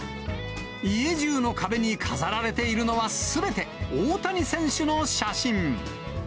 家じゅうの壁に飾られているのはすべて大谷選手の写真。